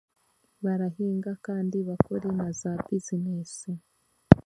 Barahiinga kandi bakore naza bizinesi.